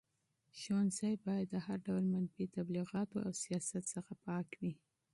ښوونځي باید د هر ډول منفي تبلیغاتو او سیاست څخه پاک وي.